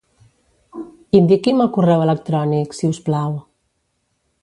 Indiqui'm el correu electrònic, si us plau.